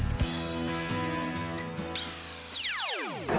ดึงดึง